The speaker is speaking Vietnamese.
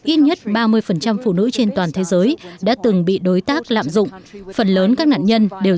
ít nhất ba mươi phụ nữ trên toàn thế giới đã từng bị đối tác lạm dụng phần lớn các nạn nhân đều